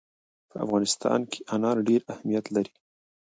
په افغانستان کې انار ډېر اهمیت لري.